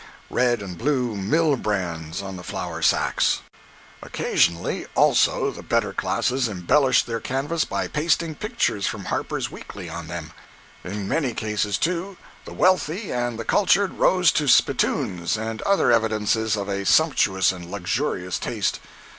_, red and blue mill brands on the flour sacks. 162.jpg (42K) Occasionally, also, the better classes embellished their canvas by pasting pictures from Harper's Weekly on them. In many cases, too, the wealthy and the cultured rose to spittoons and other evidences of a sumptuous and luxurious taste.